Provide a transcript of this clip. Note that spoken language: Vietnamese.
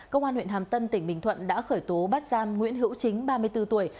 công an huyện hàm tân tỉnh bình thuận đã khởi tố bắt giam nguyễn hữu chính ba mươi bốn tuổi